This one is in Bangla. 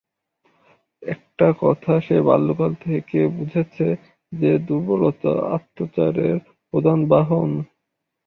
একটা কথা সে বাল্যকাল থেকে বুঝেছে যে, দুর্বলতা অত্যাচারের প্রধান বাহন।